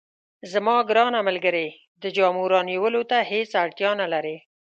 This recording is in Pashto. زما ګرانه ملګرې، د جامو رانیولو ته هیڅ اړتیا نه لرې.